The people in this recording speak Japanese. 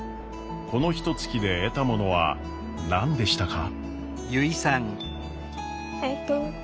このひとつきで得たものは何でしたか？